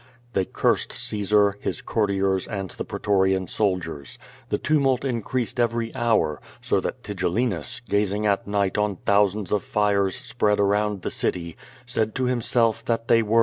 They cursed Caesar, his courtiers and the pretorian soldiers. The tumult increased every hour, so that Tigellinus, gazing at night on thousands of fires spread around the city, said to him self that they were t.